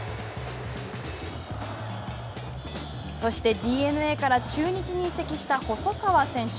そしてＤｅＮＡから中日に移籍した細川選手。